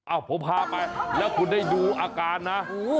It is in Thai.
ผมพาไปแล้วคุณได้ดูอาการนะ